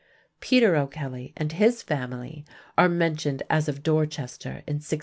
Peter O'Kelly and his family are mentioned as of Dorchester in 1696.